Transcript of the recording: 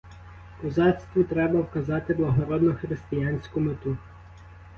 Козацтву треба вказати благородну християнську мету.